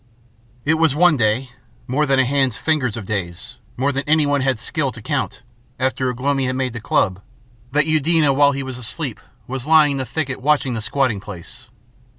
It was one day more than a hand's fingers of days, more than anyone had skill to count after Ugh lomi had made the club, that Eudena while he was asleep was lying in the thicket watching the squatting place.